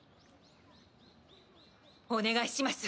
お願いします